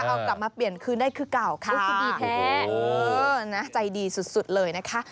เอากลับมาเปลี่ยนคืนได้คือเก่าค่ะโอ้โหโอ้โหนะใจดีสุดสุดเลยนะคะ